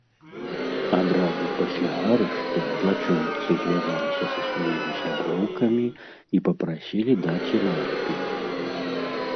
Адразу пасля арышту злачынцы звязаліся са сваімі сяброўкамі і папрасілі даць ім алібі.